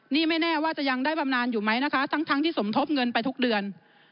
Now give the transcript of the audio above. นี่ไม่แน่ว่าจะยังได้บำนานอยู่ไหมนะคะทั้งที่สมทบเงินไปทุกเดือน